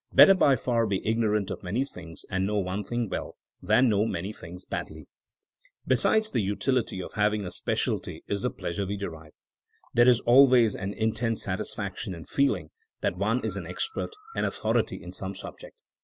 Better by far be ignorant of many things and know one thing well, than know many things badly. Besides the utility of having a specialty is the pleasure we derive. There is always an intense 188 THINKINO AS A SCIENOE satisfaction in feeling that one is an *' expert/* an *' authority*' in some subject.